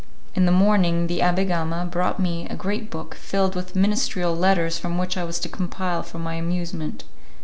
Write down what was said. In the morning the Abbé Gama brought me a great book filled with ministerial letters from which I was to compile for my amusement.